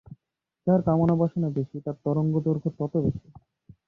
যার কামনা-বাসনা বেশি তার তরঙ্গ-দৈর্ঘ্য তত বেশি।